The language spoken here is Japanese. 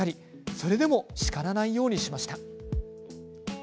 それでも叱らないようにしました。